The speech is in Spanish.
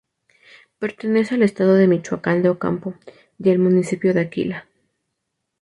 Pertenece al estado de Michoacán de Ocampo y al municipio de Aquila.